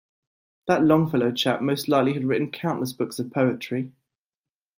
That Longfellow chap most likely had written countless books of poetry.